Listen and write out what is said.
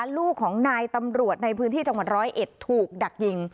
ลูกของนายตำรวจในพื้นที่จังหวัดร้อยเอ็ดถูกดักยิง